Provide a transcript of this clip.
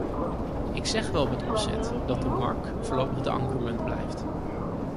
Ik zeg wel met opzet dat de mark voorlopig de ankermunt blijft.